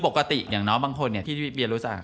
ปกติยังน้องบางคนที่เบียรู้จัก